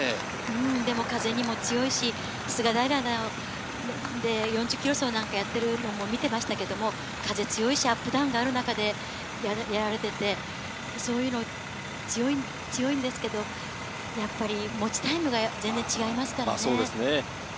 でも、風にも強いし、菅平で４０ｋｍ走なんかもやっているのを見てましたけど、風が強いし、アップダウンもある中で、そういうの強いんですけど、持ちタイムが全然違いますからね。